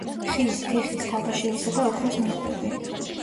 ხის, თიხის, თაბაშირისა და ოქროს ნიღბები.